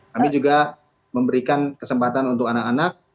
kami juga memberikan kesempatan untuk anak anak